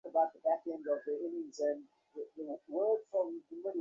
তিনি Spencer Baird, John Cassin এবং Joseph লেডির সাথে দেখা করেছিলেন।